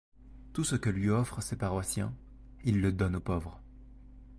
Tout ce que lui offre ses paroissiens, il le donne aux pauvres.